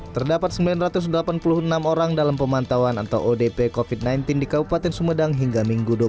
terdapat sembilan ratus delapan puluh enam orang dalam pemantauan atau odp covid sembilan belas di kabupaten sumedang hingga minggu